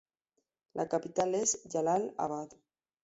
La capital es Jalal-Abad.